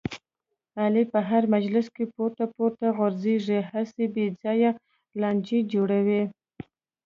علي په هر مجلس کې پورته پورته غورځېږي، هسې بې ځایه لانجې جوړوي.